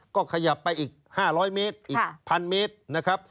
ก็ขยับไปอีก๕๐๐เมตรอีก๑๐๐เมตรนะครับ